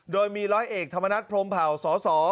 โดยมีร้อยเอกธรรมนัฐพรมเผ่าสส